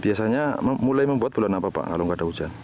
biasanya mulai membuat bulan apa pak kalau nggak ada hujan